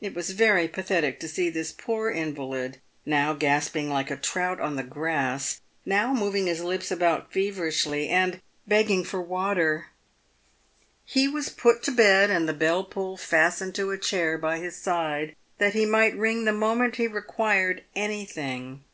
It was very pathetic to see this poor invalid, now gasping like a trout on the grass, now moving his lips about feverishly, and begging for water. He was put to bed, and the bell pull fastened to a chair by his side, that he might ring the moment he required anything.